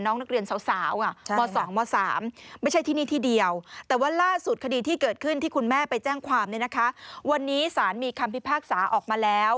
น้องนักเรียนสาวอ่ะม๒ม๓